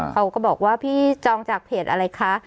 เขาก็บอกว่าพี่จองจากเพจอะไรคะ